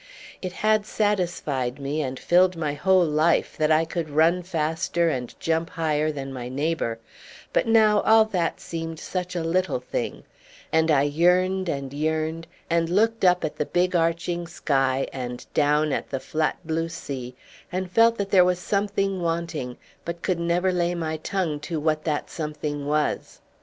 It had satisfied me and filled my whole life that I could run faster and jump higher than my neighbour; but now all that seemed such a little thing, and I yearned, and yearned, and looked up at the big arching sky, and down at the flat blue sea, and felt that there was something wanting, but could never lay my tongue to what that something was.